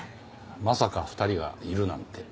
まさか２人がいるなんて。